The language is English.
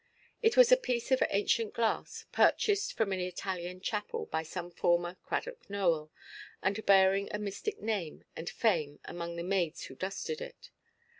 It was a piece of ancient glass, purchased from an Italian chapel by some former Cradock Nowell, and bearing a mystic name and fame among the maids who dusted it.